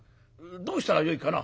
どうしたらよいかな？」。